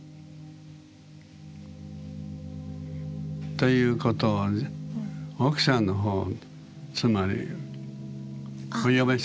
ということを奥さんの方つまりお嫁さんですね。